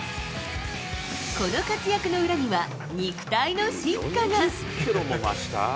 この活躍の裏には、肉体の進化が。